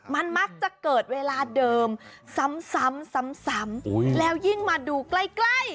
มันมักจะเกิดเวลาเดิมซ้ำซ้ำแล้วยิ่งมาดูใกล้ใกล้